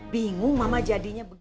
bingung mama jadinya begitu